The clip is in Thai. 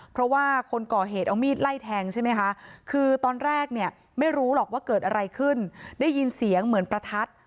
เพราะว่าคนก่อเหตุเอามีดไล่แทงใช่ไหมคะคือตอนแรกเนี่ยไม่รู้หรอกว่าเกิดอะไรขึ้นได้ยินเสียงเหมือนประทัด